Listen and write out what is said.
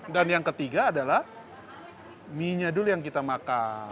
dan yang ketiga adalah mie nya dulu yang kita makan